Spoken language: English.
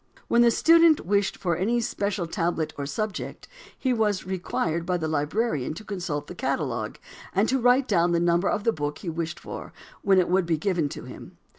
When the student wished for any special tablet or subject, he was required by the librarian to consult the catalogue and to write down the number of the book he wished for, when it would be given to him.